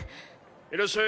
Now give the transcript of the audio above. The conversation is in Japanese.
いらっしゃい。